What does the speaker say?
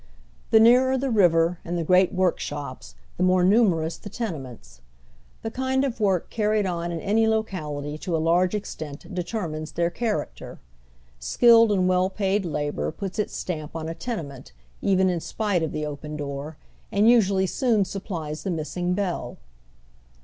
Tiie nearer the river and the gi eat workahops the more numerous the tene ments. The kind of work carried on in any locality to a large extent determines their character. Skilled and well paid labor puts its stamp on a tenement even in spite of the open door, and usually soon supplies the miBsing bell.